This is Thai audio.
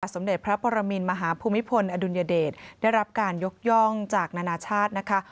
สมเด็จพระปรมินมหาภูมิพลอดุลยเดชได้รับการยกย่องจากนานาชาตินะคะ